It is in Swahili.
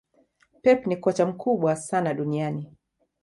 pep ni kocha mkubwa sana duniani